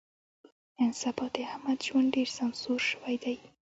نن سبا د احمد ژوند ډېر سمسور شوی دی.